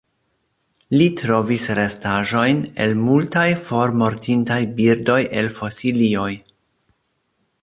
Li trovis restaĵojn el multaj formortintaj birdoj el fosilioj.